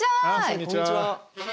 こんにちは。